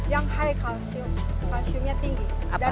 yang high calcium calciumnya tinggi